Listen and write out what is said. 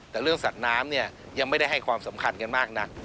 แต่เรื่องสัตว์น้ำเนี่ยยังไม่ได้ให้ความสำคัญกันมากนัก